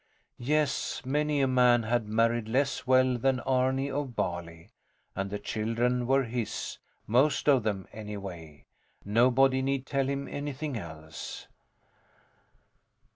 Yes, many a man had married less well than Arni of Bali. And the children were his, most of them, anyway. Nobody need tell him anything else.